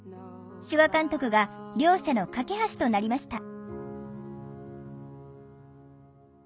手話監督が両者の懸け橋となりました。